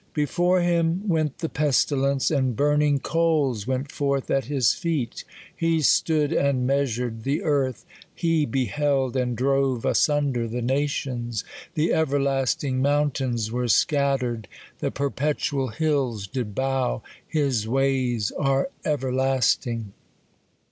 "Before him went the pestilence, and burning coals went foilh at his feet : he stood, and measured the earth : he beheld, and drove asunder the nations : the everlasting moun tains were scattered : the perpetual hills did bow : his ways are everlasting."